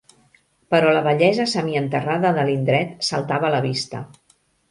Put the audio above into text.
Però la bellesa semienterrada de l'indret saltava a la vista.